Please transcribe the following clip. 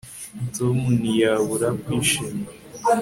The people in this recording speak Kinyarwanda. Tom ntiyabura kwishima